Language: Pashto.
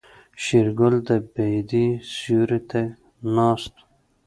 شېرګل د بيدې سيوري ته ناست و.